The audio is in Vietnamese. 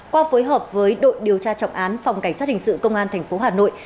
qua phối hợp với đội điều tra trọng án phòng cảnh sát hình sự công an tp hà nội